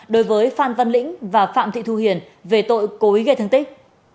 đối với phan văn lĩnh và phạm thị thu hiền về tội cố ý gây thương tích